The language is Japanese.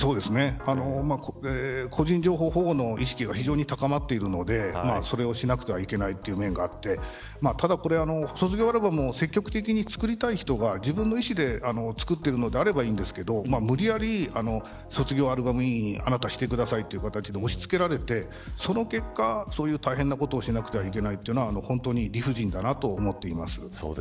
個人情報保護の意識が非常に高まっているのでそれをしなくてはいけないという面があって卒業アルバムも積極的に作りたい人が自分の意思で作っているのであればいいんですけど無理やり卒業アルバム委員をしてくださいと押し付けられてその結果大変なことをしなくてはいけないのは本当に理不尽だなと思っています。